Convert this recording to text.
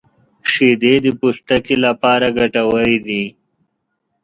• شیدې د پوستکي لپاره ګټورې دي.